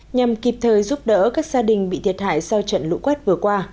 nhằm kịp thời giúp đỡ các gia đình bị thiệt hại sau trận lũ quét vừa qua